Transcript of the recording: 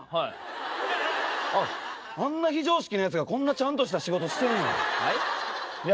あんな非常識なやつがこんなちゃんとした仕事してんねや。